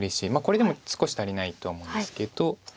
これでも少し足りないとは思うんですけど。